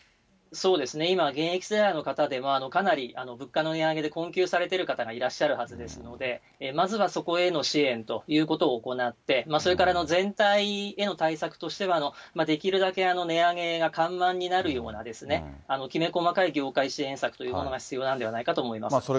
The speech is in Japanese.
今、現役世代の方でもかなり物価の値上げで困窮されている方がいらっしゃるはずですので、まずはそこへの支援ということを行って、それから全体への対策としては、できるだけ値上げが緩慢になるような、きめ細かい業界支援策というのが必要なんではないかと思います。